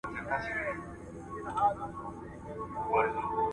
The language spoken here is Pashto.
د 'افغان' اصطلاح یوازي پښتانه قوم ته نسي منسوبېدای